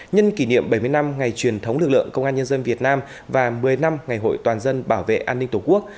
nhân kỷ niệm bảy mươi năm ngày truyền thống lực lượng công an nhân dân việt nam và một mươi năm ngày hội toàn dân bảo vệ an ninh tổ quốc